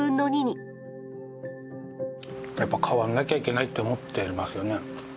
やっぱ変わらなきゃいけないと思っていますよね。